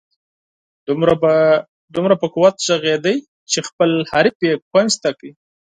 دومره په قوت ږغېده چې خپل حریف یې کونج ته کړ.